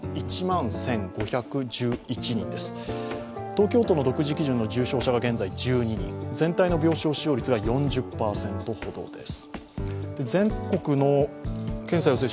東京都の独自基準の重症者が１２人、全体の病床使用率は４０％ほどです。